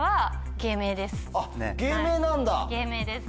芸名です。